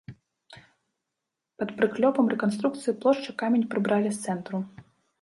Пад прыклёпам рэканструкцыі плошчы камень прыбралі з цэнтру.